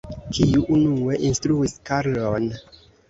Kiu unue instruis Karlon?